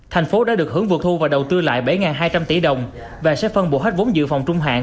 thành phố đã được hưởng vượt thu và đầu tư lại bảy hai trăm linh tỷ đồng và sẽ phân bổ hết vốn dự phòng trung hạn